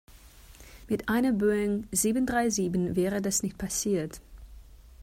Mit einer Boeing sieben-drei-sieben wäre das nicht passiert.